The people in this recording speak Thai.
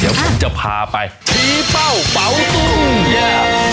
เดี๋ยวผมจะพาไปชี้เป้าเป๋าตุ้งย่า